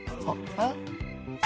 えっ？